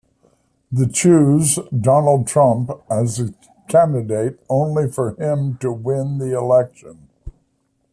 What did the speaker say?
The choose Donald Trump as a candidate, only for him to win the election.